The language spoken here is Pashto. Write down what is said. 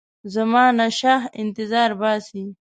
زمانشاه انتظار باسي.